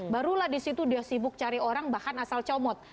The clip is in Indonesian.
barulah disitu dia sibuk cari orang bahkan asal comot